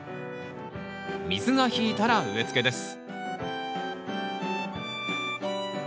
水が引いたら植えつけです